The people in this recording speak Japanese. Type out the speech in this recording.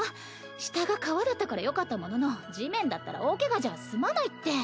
下が川だったからよかったものの地面だったら大ケガじゃあ済まないって。